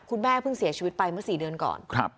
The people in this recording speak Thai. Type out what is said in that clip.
คุณแม่เพิ่งเสียชีวิตไปเมื่อ๔เดือนก่อน